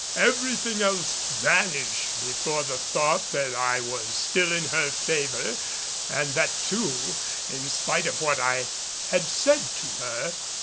Everything else vanished before the thought that I was still in her favor and that too in spite of what I had said to her.